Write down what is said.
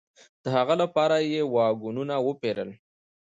د هغه لپاره یې واګونونه وپېرل.